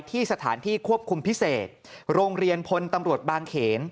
ที่สถานที่ควบคุมพิเศษโรงเรียนพลตำรวจบางเขน